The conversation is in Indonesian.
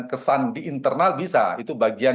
kesan di internal bisa itu bagian